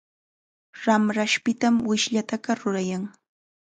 Ramrashpitam wishllataqa rurayan.